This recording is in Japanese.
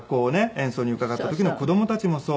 演奏に伺った時の子供たちもそう。